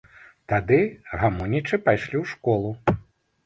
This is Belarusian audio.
Тады, гамонячы, пайшлі ў школу.